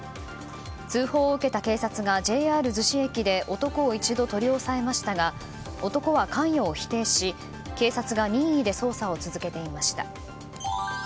通報を受けた警察がＪＲ逗子駅で男を一度取り押さえましたが男は関与を否定し警察が任意で捜査を続けていました。